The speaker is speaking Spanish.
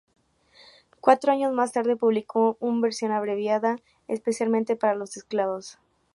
Cuatro años más tarde publicó un versión abreviada especialmente para los esclavos.